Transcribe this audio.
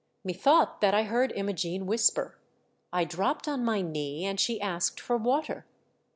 Methought that I heard Imogene whisper ; I dropped on my knee, and she asked for water.